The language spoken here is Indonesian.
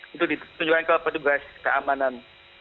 itu ditunjukkan kepada petugas keamanan